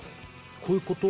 こういうこと？